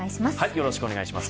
よろしくお願いします。